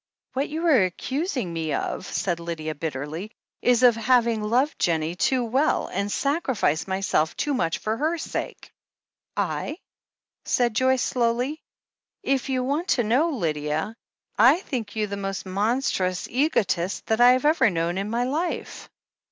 "What you are accusing me of," said Lydia bitterly, "is of having loved Jennie too well, and sacrificed my self too much for her sake." "I?" said Joyce slowly. "If you want to know, Lydia, I think you the most monstrous egotist that I have ever known in my life."